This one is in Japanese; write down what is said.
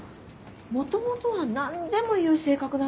もともとは何でも言う性格なのよ。